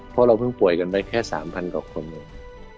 เพราะเราเพิ่งป่วยกันไปแค่สามพันกว่าคนหนึ่ง